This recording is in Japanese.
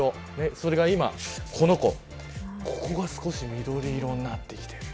それが今、この子ここが少し緑色になってきている。